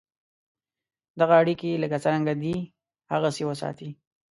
دغه اړیکي لکه څرنګه دي هغسې وساتې.